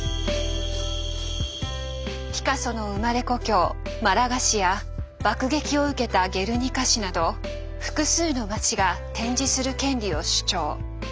ピカソの生まれ故郷・マラガ市や爆撃を受けたゲルニカ市など複数の町が展示する権利を主張。